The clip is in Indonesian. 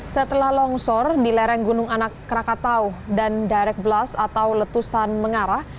setelah longsor di lereng gunung anak krakatau dan direct blast atau letusan mengarah